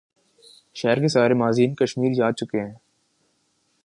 شہر کے سارے معززین کشمیر جا چکے ہیں۔